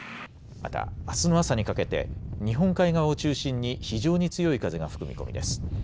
また、あすの朝にかけて日本海側を中心に非常に強い風が吹く見込みです。